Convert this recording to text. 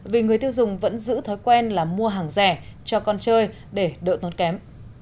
vì người tiêu dùng vẫn giữ thói quen là mua hàng rẻ cho con chơi để đỡ tốn kém